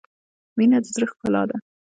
• مینه د زړۀ ښکلا ده.